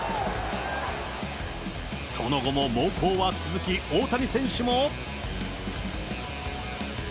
その後も猛攻は続き、大谷選手も。